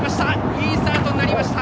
いいスタートになりました！